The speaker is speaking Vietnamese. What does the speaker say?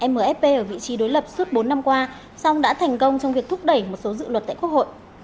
mfp ở vị trí đối lập suốt bốn năm qua song đã thành công trong việc thúc đẩy một số dự luật tại quốc hội